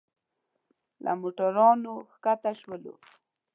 له موټرانو ښکته شولو.